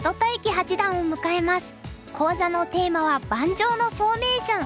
講座のテーマは「盤上のフォーメーション」。